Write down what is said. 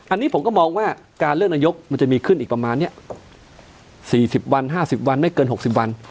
อันนี้ผมก็มองว่าการเลือกนายกมันจะมีขึ้นอีกประมาณ๔๐วัน๕๐วันไม่เกิน๖๐วัน